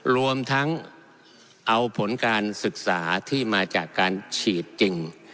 รวมทั้งเอาผลการศึกษาที่มาจากการฉีดจริง